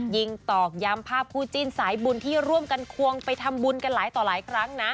ตอกย้ำภาพคู่จิ้นสายบุญที่ร่วมกันควงไปทำบุญกันหลายต่อหลายครั้งนะ